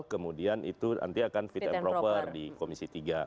kemudian itu nanti akan fit and proper di komisi tiga